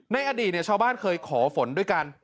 ในอดีตชาวบ้านเคยขอฝนด้วยกัน